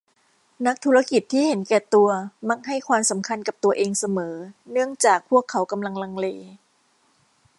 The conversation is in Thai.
นักธุรกิจที่เห็นแก่ตัวมักให้ความสำคัญกับตัวเองเสมอเนื่องจากพวกเขากำลังลังเล